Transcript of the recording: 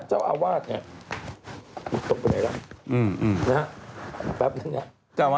อืมนะครับแป๊บหนึ่งนะครับเจ้าอาวาสทำไมครับ